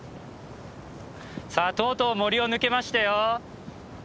さあとうとう森を抜けましたよ。